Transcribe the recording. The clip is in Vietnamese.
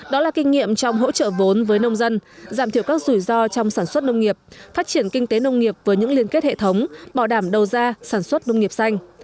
đó là kinh nghiệm trong hỗ trợ vốn với nông dân giảm thiểu các rủi ro trong sản xuất nông nghiệp phát triển kinh tế nông nghiệp với những liên kết hệ thống bảo đảm đầu ra sản xuất nông nghiệp xanh